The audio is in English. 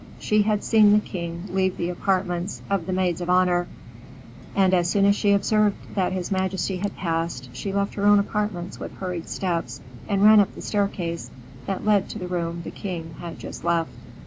She had seen the king leave the apartments of the maids of honor, and as soon as she observed that his majesty had passed, she left her own apartments with hurried steps, and ran up the staircase that led to the room the king had just left.